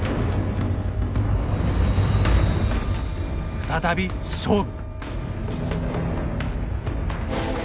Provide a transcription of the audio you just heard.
再び勝負！